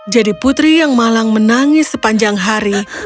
jadi putri yang malang menangis sepanjang hari